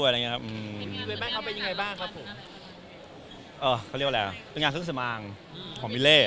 ในงานเครื่องสินสำหรับอ่านของวิเล่